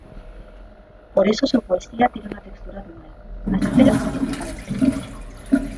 Por eso su poesía tiene una textura dual, áspera y delicada.